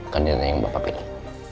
kandidat yang bapak pilih